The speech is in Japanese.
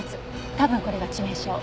多分これが致命傷。